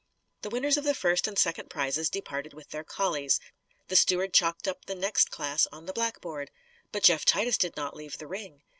The winners of the first and second prizes departed with their collies. The steward chalked up the next class on the blackboard. But Jeff Titus did not leave the ring.